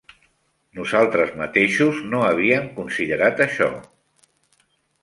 Nosaltres mateixos no havien considerat això.